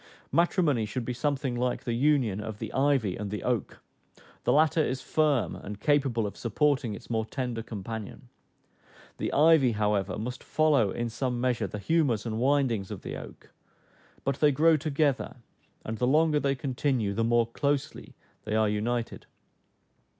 Matrimony should be something like the union of the ivy and the oak: the latter is firm, and capable of supporting its more tender companion; the ivy, however, must follow in some measure the humors and windings of the oak; but they grow together, and the longer they continue the more closely they are united.